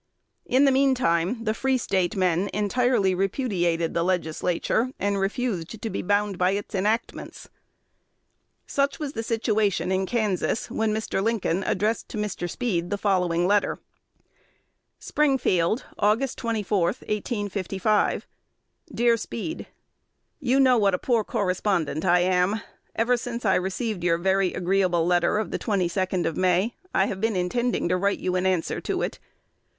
In the mean time, the Free State men entirely repudiated the Legislature, and refused to be bound by its enactments. Such was the situation in Kansas when Mr. Lincoln addressed to Mr. Speed the following letter: Springfield, Aug. 24, 1855. Dear Speed, You know what a poor correspondent I am. Ever since I received your very agreeable letter of the 22d of May, I have been intending to write you an answer to it.